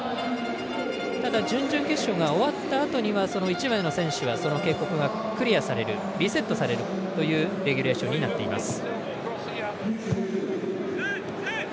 ただ準々決勝が終わったあとには１枚の選手はその警告がクリアされるリセットされるというレギュレーションになっています。